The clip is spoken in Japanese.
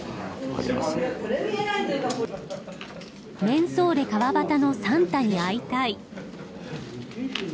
メンソーレ川端のサンタに会いたい！